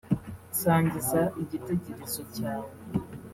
Nsangiza igitegerezo cyawe